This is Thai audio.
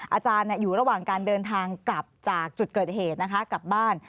อาจารย์อยู่ระหว่างการเดินทางกลับจากจุดเกิดเหตุนะคะกลับบ้าน